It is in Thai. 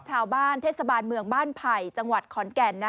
ชาวบ้านเทศบาลเมืองบ้านไผ่จังหวัดขอนแก่น